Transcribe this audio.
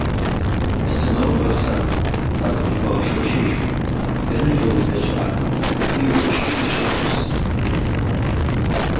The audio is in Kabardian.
- СынокӀуэ сэ, тӀэкӀу зыхуэгъэшэчыж, дэнэкӀэ уздэщыӀэр? - йокӀий и щхьэгъусэм.